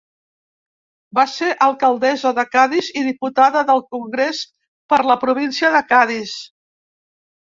Va ser alcaldessa de Cadis i diputada del Congrés per la província de Cadis.